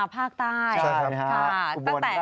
ภาคอีสานมาภาคใต้